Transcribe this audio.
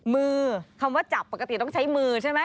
มือคำว่าจับปกติต้องใช้มือใช่ไหม